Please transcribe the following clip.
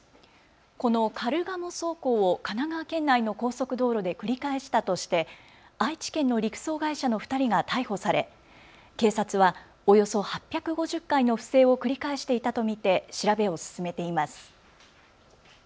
このカルガモ走行を神奈川県内の高速道路で繰り返したとして愛知県の陸送会社の２人が逮捕され警察はおよそ８５０回の不正を繰り返していたと見て調べを進めています。